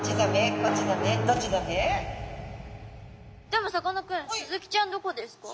でもさかなクンスズキちゃんどこですか？